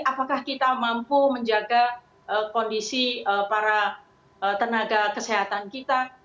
apakah kita mampu menjaga kondisi para tenaga kesehatan kita